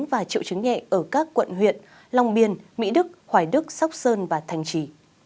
và triệu chứng nhẹ ở các quận huyện long biên mỹ đức hoài đức sóc sơn và thành trì